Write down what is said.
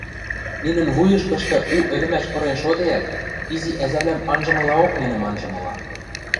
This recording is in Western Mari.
Нинӹн вуйышкышты у ӹлӹмӓш пырен шодеӓт, изи ӓзавлӓм анжымылаок нинӹм анжымыла.